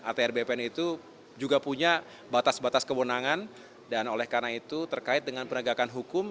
atr bpn itu juga punya batas batas kewenangan dan oleh karena itu terkait dengan penegakan hukum